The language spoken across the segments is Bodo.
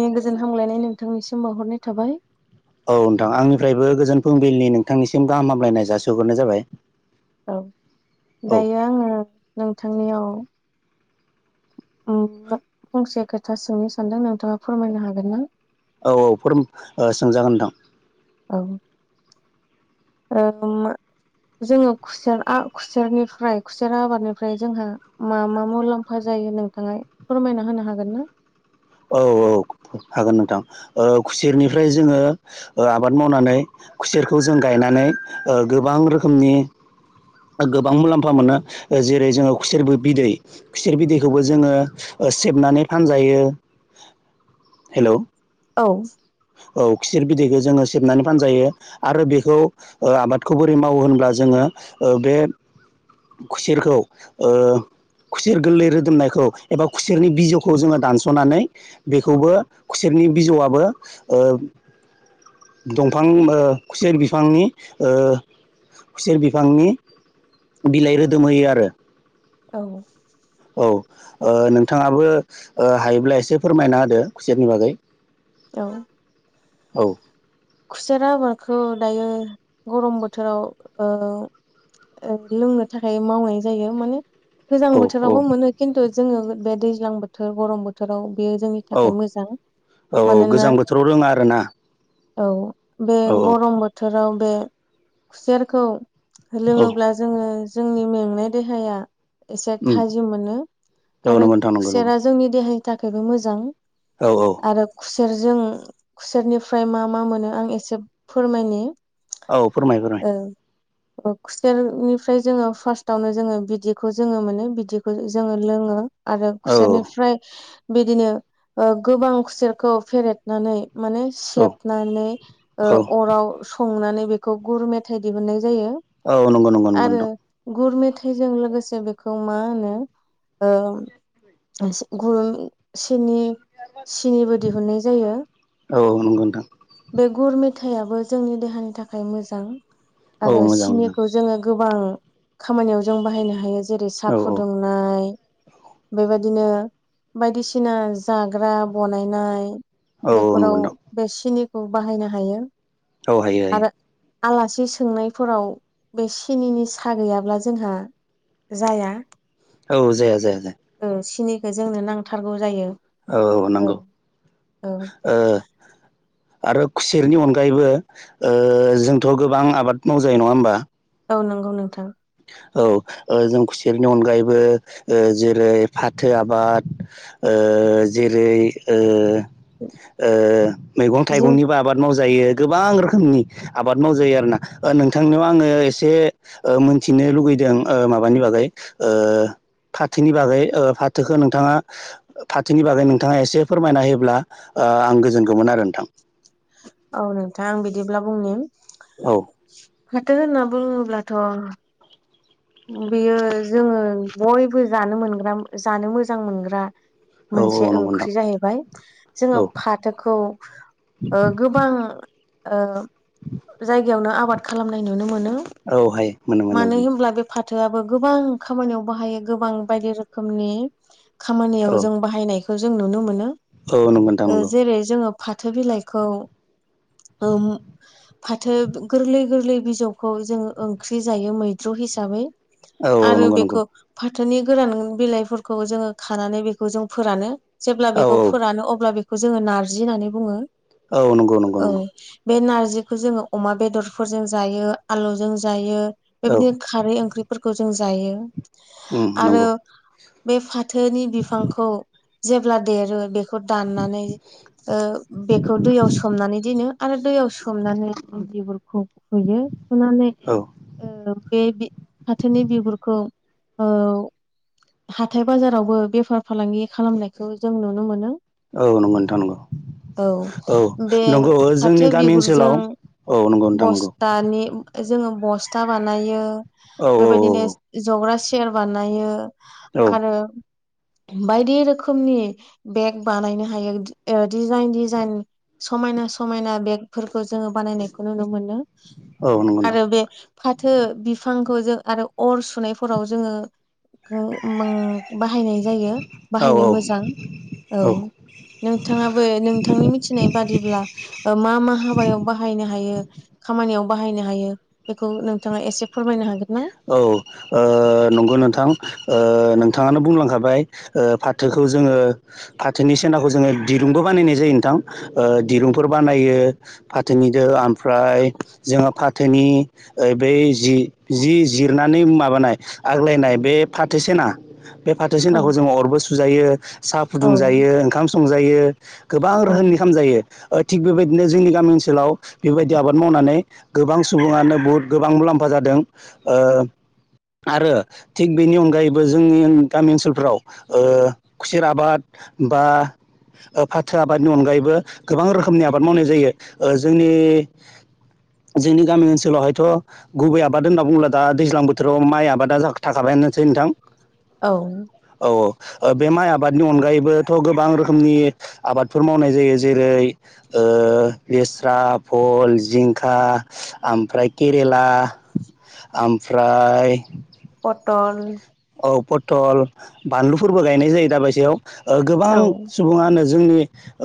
आं गोजोन हामलायनाय नोंथांनिसिम बावहरनाय थाबाय औ नोंथां आंनिफ्रायबो गोजोन फुंबिलिनि नोंथांनिसिम गाहाम हामलायनाय जासिहरनाय जाबाय औ औ दायो आङो नोंथांनियाव फंसे खोथा सोंनो सानदों नोंथाङा फोरमायनो हागोन ना? औ औ फोर सोंजागोन नोंथां औ जोङो खुसेर खुसेरनिफ्राय खुसेर आबादनिफ्राय जोंहा मा मा मुलाम्फा जायो यो नोंथाङा फोरमायना होनो हागोन ना? औ औ हागोन नोंथां खुसेरनिफ्राय जोङो आबाद मावनानै खुसेर खौ जों गायनानै गोबां रोखोमनि गोबां मुलाम्फा मोनो जेरै जोङो खुसेरबो बिदै खुसेर बिदैखौबो जोङो सेबनानै फानजायो हेल' औ औ खिसेर बिदैखौ जोङो सेबनानै फानजायो आरो बेखौ आबादखौ बोरै मावो होनब्ला जोङो बे खुसेरखौ ओ खुसेर गोरलै रोदोमनायखौ एबा खुसेरनि बिजौखौ जोङो दानस'नानै बेखौबो खुसेर नि बिजौआबो दंफां खुसेर बिफांनि खुसेर बिफांनि बिलाइ रोदोमहोयो आरो औ औ नोंथाङाबो हायोब्ला एसे फोरमायना होदो खुसेरनि बागै औ औ खुसेरा आबादखौ दायो गरम बोथोराव ओ लोंनो थाखाय मावनाय जायो माने गोजां औ औ बोथोरावबो मोनो खिन्थु जोङो बे दैज्लां बोथोर गरम बोथोराव बेयो जोंनि औ थाखाय मोजां औ मानोना गोजां बोथोराव रोङा आरोना औ बे औ औ गरम बोथोराव बे खुसेरखौ औ लोङोब्ला जोङो जोंनि मेंनाय देहाया एसे उम थाजिम मोनो औ आरो नंगौ नोंथां नंगौ नंगौ खुसेरा जोंनि देहानि थाखायबो मोजां औ औ आरो खुसेरजों खुसेरनिफ्राय मा मा मोनो आं एसे फोरमायनि औ फोरमाय फोरमाय ओ खुसेरनिफ्राय जोङो फार्स्टआवनो जोङो बिदैखौ जोङो मोनो बिदैखौ जोङो लोङो आरो औ खुसेरनिफ्राय बिदिनो गोबां खुसेरखौ फेरेदनानै माने औ सेबनानै औ अराव संनानै बेखौ गुर मेथाइ दिहुननाय जायो औ नंगौ नंगौ नंगौ आरो नोंथां गुर मे थाइजों लोगोसे बेखौ मा होनो गुर सिनि सिनिबो दिहुनननाय जायो औ नंगौ नोंथां बे गुर मेथाइयाबो जोंनि देहानि थाखाय मोजां औ आरो मोजां मोजां सिनिखौ जोङो गोबां खामानियाव जों बाहायनो हायो जेरै साहा औ फुदुंनाय बेबाय दिनो बायदिसिना जाग्रा बनायनाय औ नंगौ बेफोराव नोंथां बे सिनिखौ बाहायनो हायो औ हायो हायो आरो आलासि सोंनायफोराव बे सिनिनि साहा गैयाब्ला जोंहा जाया औ जाया जाया जाया सिनिखौ जोंनो नांथारगौ जायो औ औ नंगौ औ ओ आरो खुसेरनि अनगायैबो जोंथ' गोबां आबाद मावजायो नङा होमबा औ नंगौ नोंथां औ जों खुसेरनि अनगायैबो जेरै फाथो आबाद ओ जेरै ओ ओ मैगं जिं थाइगंनिबो आबाद मावजा जायो गोबां रोखोमनि आबाद मावजायो आरोना नोंथांनियाव आङो एसे ओ मि न्थिनो लुगैदों ओ माबानि बागै ओ फाथोनि बागै फाथोखौ नोंथाङा फाथोनि बागै नोंथाङा एसे फोरमायना होयोब्ला आ आं गोजोनगौमोन आरो नोंथां औ नोंथां आं बिदिब्ला बुंनि औ फाथो होनना बुङोब्लाथ' बेयो जोङो बयबो जानो मोनग्रा जानो मोजां मोनग्रा मोनसे औ नंगौ नोंथां ओंख्रि जाहैबाय जोङो औ फाथोखौ गोबां जायगायावनो आबाद खालामनाय नुनो मोनो। औ हायो मोनो मोनो माने मोनो होमब्ला बे फाथोआबो गोबां खामानियाव बाहायो गोबां बायदि रोखोमनि औ खामानियाव जों बाहायनायखौ जों नुनो मोनो। औ नंगौ नोंथां ओ नंगौ जेरै जोङो फाथो बिलाइखौ फाथो गोरलै गोरलै बिजौखौ जोंङो ओंख्रि जायो मैद्रु हिसा बै औ औ आरो नंगौ नंगौ बेखौ फा थोनि गोरान बिलाइफोरखौ जोङो खानानै बेखौ जों फोरानो जेब्ला औ बेखौ फोरानो अब्ला बे खौ जोङो नारजि होननानै बुङो। औ नंगौ नंगौ औ नंगौ बे नारजिखौ जोङो अमा बेदरफोरजों जायो आलुजों जायो। औ बे ओंख्रिफोरखौ जों जायो। उम आरो नंगौ बे फाथोनि बिफांखौ जेब्ला देरो बे खौ दाननानै बेखौ दैयाव सोमनानै दोनो आरो दैयाव सोमनानै बिगुरखौ खुयो खुनानै औ बे फाथोनि बिगुरखौ ओ हाथाय बाजारावबो बेफार फालांगि खालामनायखौ जों नुनो मोनो। औ नंगौ नोंथां नंगौ औ बे नंगौ जोंनि फाथो गामि बिगुरजों ओनसोलाव औ नंगौ नोंथां नंगौ बस्थानि जोङो बस्था बानायो औ औ बेबायदिनो जग्रा सियार बानायो औ आरो बायदि रोखोमनि बेग बानायनो हायो डिजाइन डिजाइन समायना समायना बेगफोरखौ जोङो बानायनायखौ नुनो मोनो। औ नंगौ नोंथां आरो बे फाथो बि फांखौ जों आरो अर सुनायफोराव जोङो बाहायनाय जायो बाहायनो औ औ मोजां औ नोंथाङाबो नोंथांनि मिथिनाय बादिब्ला मा मा हाबायाव बाहायनो हायो खामानियाव बाहायनो हायो बेखौ नोंथाङा एसे फोरमायनो हागोन ना? औ ओ नंगौ नोंथां ओ नों थाङानो बुंलांखाबाय फाथोखौ जोङो फाथोनि सेनाखौ जोङो दिरुंबो बानायनाय जायो नोंथां ओ दिरुंफोर बानायो फाथोनिजों ओमफ्राय जोङो फाथोनि बै जि जि जिरनानै माबानाय आग्लायनाय बे फाथो सेना बे फाथो औ सेनाखौ जोङो अरबो सुजायो साहा औ फुदुं जायो ओंखाम संजायो गोबां औ रोहोमनि खाम जायो। थिग बेबायदिनो जोंनि गामि ओनसोलाव बेबायदि आबाद मावनानै गोबां सुबुङानो बुहुद गोबां मुला म्फा जादों ओ आरो थिग बेनि अनगायैबो जोंनि गामि ओनसोलफ्राव ओ खुसेर आबाद बा ओ फाथो आबादनि अनगायैबो गोबां रोखोमनि आबाद मावनाय जायो जोंनि जोंनि गामि ओनसोलावहायथ' गुबै आबाद होनना बुंब्ला दा दैज्लां बोथोराव माइ आबादा जाग थाखाबायानोसै नोंथां औ ओ बे माइ आबादनि अनगायैबोथ' गोबां रोखोमनि आबादफोर मावनाय जायो जेरै ओ लेस्रा भल जिंखा ओमफ्राय केरेला ओमफ्राय पटल औ पथल बानलुफोरबो गायनाय जायो दा बायसायाव गोबां औ सुबुङानो जोंनि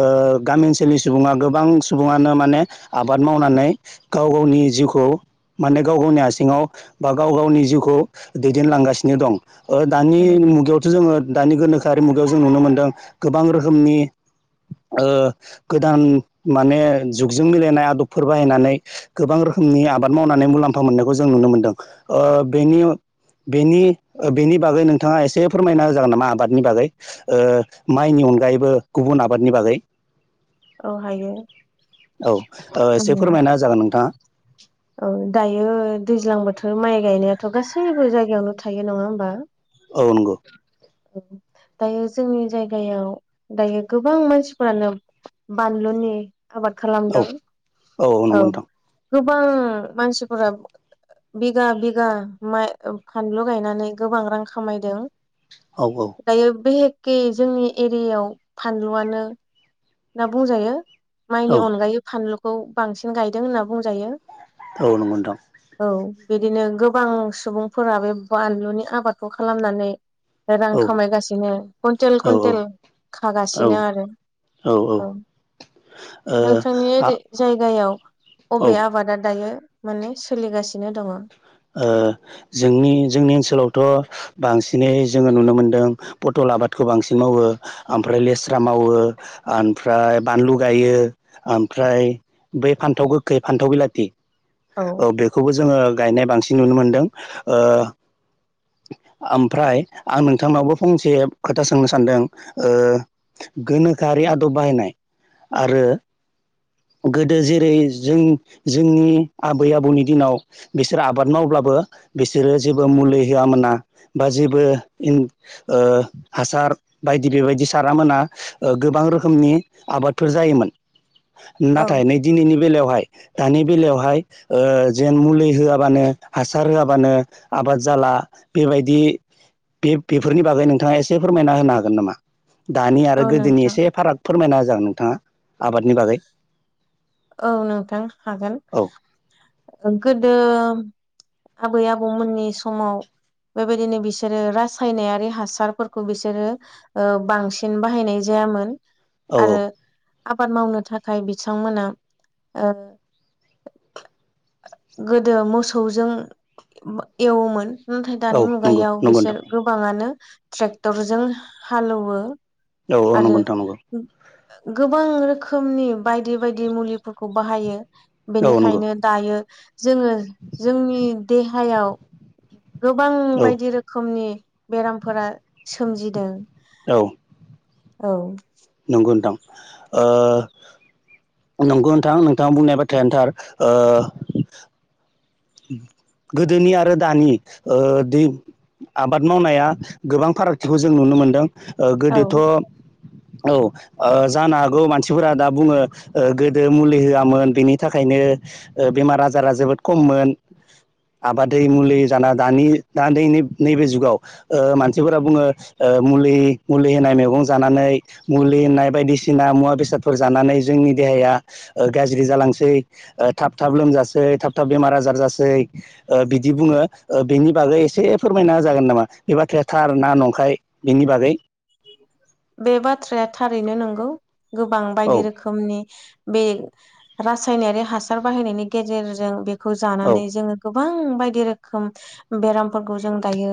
ओगामि ओनसोलनि सुबुङा गोबां सुबुङानो माने आबाद मावनानै गाव गावनि जिउखौ माने गाव गावनि आसिङाव बा गाव गावनि जिउखौ दैदेनलांगासिनो दं ओ दानि मुगायावथ' जोङो दानि गोनोखोआरि मुगायाव जों नुनो मोनदों गोबां रोखोमनि ओ गोदान माने जुगजों मिलायनाय आदबफोर बाहायनानै गोबां रोखोम नि आबाद मावनानै मुलाम्फा मोननायखौ जों नुनो मोनदों बेनि बेनि ओ बेनि बागै नोंथाङा एसे फोरमायना होजागोन नामा आबादनि बागै ओ माइनि अनगायैबो गुबुन आबादनि बागै औ हायो [inaudible] औ ओ ओम एसे फोरमायना जागोन नोंथाङा औ दायो दैज्लां बोथोर माइ गायनायाथ' गासैबो जायगायावनो थायो नङा होमबा औ नंगौ दायो जोंनि जायगायाव दायो गोबां मानसिफोरानो बानलुनि आबाद औ खालामदों औ नंगौ नोंथां गोबां मानसिफोरा बिगा बिगा माइ फानलु गायनानै गोबां रां खामायदों औ औ दायो बेहेके जोंनि एरियायाव फानलुआनो होनना बुंजायो माइनि औ अनगायै फानलुखौ बांसिन गायदों होनना बुंजायो औ नोंगौ नोंथां औ बिदिनो गोबां सुबुंफोरा बे बानलुनि आबादखौ खालामनानै रां औ खामायगासिनो कुइन्टेल औ कुन्टेल औ खागासिनो आरो औ नोंथांनि आ ओरै जायगायाव अबे औ आबादा दायो माने सोलिगासिनो दङ ओ जोंनि जोंनि ओनसोलावथ' बांसिनै जोङो नुनो मोनदों पटल ल आबादखौ बांसिन मावो फ्राय लेस्रा मावो ओमफ्राय बानलु गायो ओमफ्राय बै फान्थाव गोखै फान्थाव बिलाथि औ बेखौबो जोङो गायनाय बां मोनदों ओ [unintelligible] ओमफ्राय आं नोंथांनावबो फंसे खोथा सोंनो सानदों ओ गोनोखो रि आदब बाहायनाय आरो गोदो जेरै जों जोंनि आबै आबौनि दिनाव बिसोर आबाद मावब्लाबो बिसोरो जेबो मुलि होआ मोना बा जेबो ओ हासार बायदि बेबायदि सारा मोना गोबां रोखोमनि आबादफोर जायोमोन औ नाथाय नै दिनैनि बेलायावहाय दानि बेलायावहाय ओ जेन मुलि होआबानो हासार होआबानो आबाद जाला बेबायदि बे बेफोरनि बागै नोंथाङा एसे फोरमायना होनो हागोन नामा दानि आरो औ गोदोनि नोंथां एसे फाराग फोरमायना होजागोन नोंथाङा आबादनि बागै औ नोंथां हागोन औ गोदो आबै आबौमोननि समाव बेबायदिनो बिसोरो रासायनारि हासारफोरखौ बिसोरो ओ बांसिन बाहायनाय जायामोन औ औ आरो आबाद मावनो थाखाय बिथांमोना ओ गोदो मोसौजों एवोमोन नाथाय औ दानि नंगौ मुगायाव नंगौ नोंथां बिसोर गोबाङानो ट्रेक्टरजों हालौवो औ औ आरो नंगौ नोंथां नंगौ गोबां रोखोमनि बायदि बायदि मुलिफोरखौ बाहायो औ नंगौ बेनिखायनो दायो जोङो जोंनि देहायाव गोबां औ बायदि रोखोमनि बेरामफोरा सोमजिदों औ औ नंगौ नोंथां ओ नंगौ नोंथां नोंथाङा बुंनाय बाथ्रायानो थार गोदोनि आरो दानि ओ दै आबाद मावनाया गोबां फारागथिखौ जों नुनो मोनदों ओ गोदोथ' औ ओ जानो हागौ मानसिफोरा दा बुङो गोदो मुलि होआमोन बेनि थाखायनो ओ बेमार आजारा जोबोद खममोन [inaudible] आबादै मुलि जाना दानि दा दैनि नैबे जुगाव ओ मानसिफोरा बुङो ओ मुलि मुलि होनाय मैगं जानानै मुलि होनाय बायदिसिना मुवा बेसादफोर जानानै जोंनि दे देया गाज्रि जालांसै ओ थाब थाब लोमजासै थाब थाब बेमार आजार जास सै ओ बिदि बुङो ओ बेनि बागै एसे फोरमायना होजागोन नामा बे बाथ्राया थार ना नं फ्राय बिनि बागै बे बाथ्राया थारैनो नंगौ गोबां औ बायदि रोखोमनि बे रासायनारि हासार बाहायनायनि गेजेरजों बेखौ औ जानानै जोङो गो बां बायदि रोखोम बेरामफोरखौ जों दायो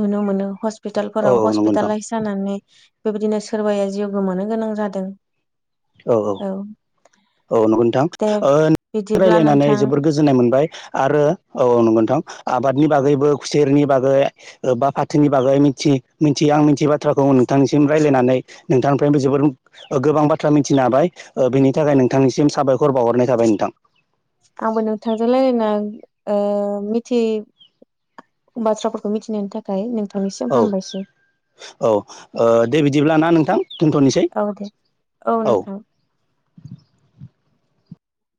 नुनो मोनो हस पिटालफोराव औ नंगौ नोंथां हस्पिटालाइस जानानै बेबायदिनो सोरबाया जिउ गोमानो गोनां जादों औ औ औ नंगौ नोंथां दे ओ बिदिब्ला रायलायनानै नोंथां जोबद गोजोननाय मोनबाय आरो औ नंगौ नोंथां आबाद नि बागैबो खुसेरनि बागै बा फाथोनि बागै मिथि मिथियां आं मिथियि बाथ्राखौ नोंथांनिसि इम रायलायनानै नोंथांनिफ्रायबो जोबोर ओ गोबां बा थ्रा मिथिनो हाबाय ओ बिनि थाखाय नोंथांनिसिम साबायखर बावहरनाय थाबाय नोंथां आंबो नोंथांजों लायरायना ओ मिथि बाथ्राफोरखौ मिथिनायनि थाखाय नोंथा औ औ ओ दे बिदिब्ला ना नों औ दे औ नोंथां